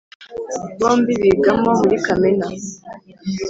bombi bigamo muri kamena.